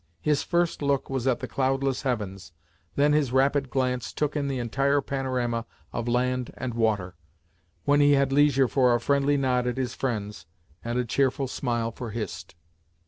His first look was at the cloudless heavens, then his rapid glance took in the entire panorama of land and water, when he had leisure for a friendly nod at his friends, and a cheerful smile for Hist.